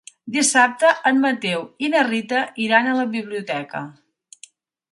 Dissabte en Mateu i na Rita iran a la biblioteca.